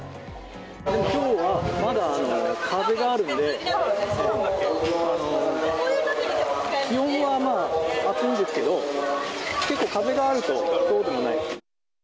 きょうは、まだ風があるんで、気温は暑いんですけれども、結構風があるとそうでもない。